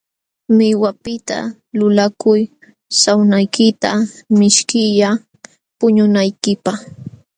Millwapiqta lulakuy sawnaykita mishkilla puñunaykipaq.